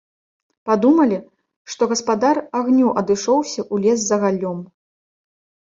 Падумалі, што гаспадар агню адышоўся ў лес за галлём.